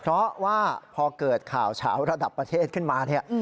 เพราะว่าพอเกิดข่าวเฉาระดับประเทศขึ้นมาเนี่ย